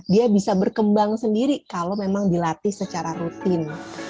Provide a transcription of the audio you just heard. dia bisa berkembang sendiri kalau memang dilatih secara rutin